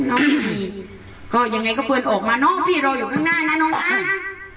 ก็ยังไงก็เฟือนออกมาเนอะพี่เราอยู่ข้างหน้าน่ะน้องนะ